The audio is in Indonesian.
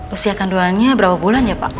usiakan dualnya berapa bulan ya pak